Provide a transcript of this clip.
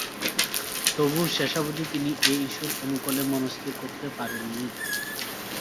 তবুও শেষাবধি তিনি এ ইস্যুর অনুকূলে মনস্থির করতে পারেন নি।